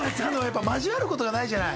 交わることがないじゃない？